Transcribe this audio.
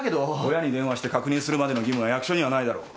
親に電話して確認するまでの義務は役所にはないだろう。